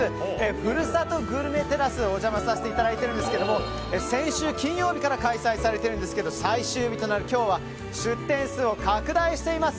ふるさとグルメてらすにお邪魔させていただいてるんですが先週金曜日から開催されているんですが最終日となる今日は出店数を拡大しています。